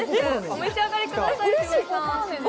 お召し上がりください。